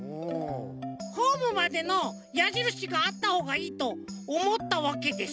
ホームまでのやじるしがあったほうがいいとおもったわけです。